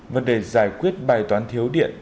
vấn đề giải quyết bài toán thiếu điện